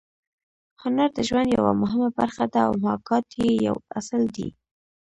هنر د ژوند یوه مهمه برخه ده او محاکات یې یو اصل دی